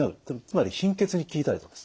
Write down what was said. つまり貧血に効いたりですね